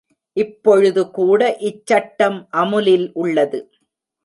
இப்பொழுதுகூட இச் சட்டம் அமுலில் உள்ளது.